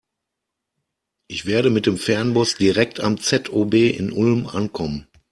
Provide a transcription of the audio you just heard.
Ich werde mit dem Fernbus direkt am ZOB in Ulm ankommen.